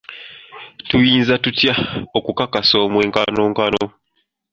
Tuyinza tutya okukakasa omwenkanonkano?